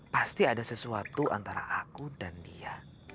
pasti ada sesuatu antara aku dan dia